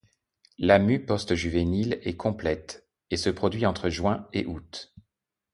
La mue post-juvénile est complète, et se produit entre juin et août.